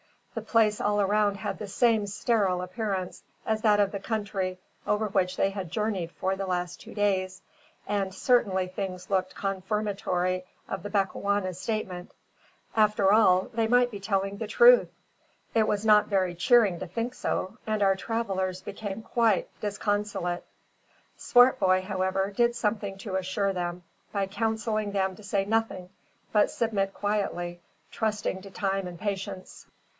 The place all around had the same sterile appearance as that of the country over which they had journeyed for the last two days, and certainly things looked confirmatory of the Bechuanas' statement. After all, they might be telling the truth! It was not very cheering to think so; and our travellers became quite disconsolate. Swartboy, however, did something to assure them, by counselling them to say nothing, but submit quietly, trusting to time and patience.